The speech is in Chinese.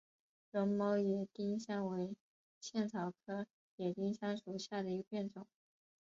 绒毛野丁香为茜草科野丁香属下的一个变种。